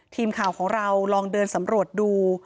ทีมข่าวของเราลองเดินสำรวจดู